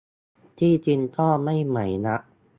ที่จริงก็ไม่ใหม่นัก